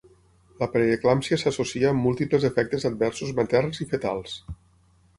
La preeclàmpsia s'associa amb múltiples efectes adversos materns i fetals.